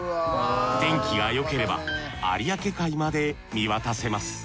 天気がよければ有明海まで見渡せます